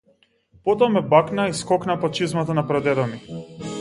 Потоа ме бакна и скокна под чизмата на прадедо ми.